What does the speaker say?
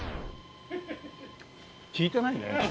聞いてないね。